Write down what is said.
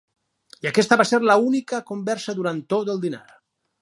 I aquesta va ser la seva única conversa durant tot el dinar.